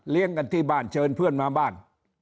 กันที่บ้านเชิญเพื่อนมาบ้าน